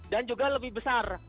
dan juga lebih besar